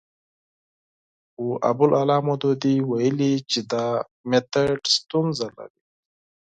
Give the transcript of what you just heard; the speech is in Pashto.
خو ابوالاعلی مودودي ویلي چې دا میتود ستونزه لري.